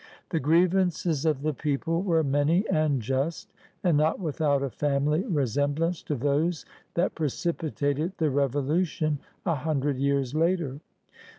The grievances of the people were many and just, and not without a family resemblance to those that precipitated the Revolu tion a hundred years later.